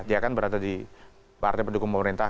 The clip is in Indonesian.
dia kan berada di partai pendukung pemerintah